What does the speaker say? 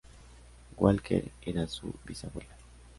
Walker era su bisabuela.